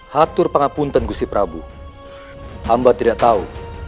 hatur pangapunten gusi prabu hamba tidak tahu